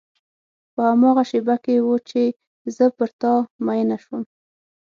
په هماغه شېبه کې و چې زه پر تا مینه شوم.